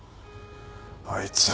あいつ。